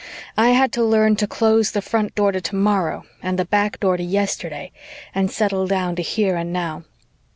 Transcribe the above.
I had to learn to close the front door to tomorrow and the back door to yesterday and settle down to here and now.